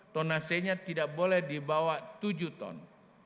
tonase nya tidak boleh dibawah tujuh ton